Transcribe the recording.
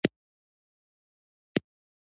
فکر مې نه کاوه چې داسې به وشي، ته کاسېره نه یې.